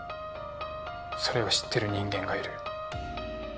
それを知ってる人間がいる。